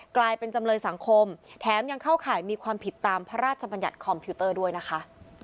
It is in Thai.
กลายเป็นจำเลยสังคมแถมยังเข้าข่ายมีความผิดตามพระราชบัญญัติคอมพิวเตอร์ด้วยนะคะ